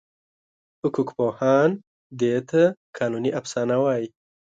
حقوقپوهان دې ته قانوني افسانه وایي.